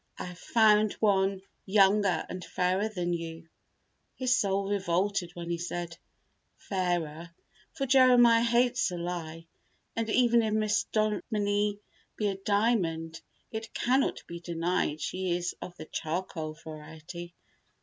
"I have found one younger and fairer than you." His soul revolted when he said "fairer," for Jeremiah hates a lie, and even if Miss Dominie be a diamond it cannot be denied she is of the charcoal variety.